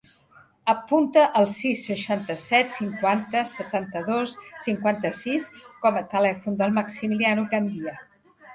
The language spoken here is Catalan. Apunta el sis, seixanta-set, cinquanta, setanta-dos, cinquanta-sis com a telèfon del Maximiliano Gandia.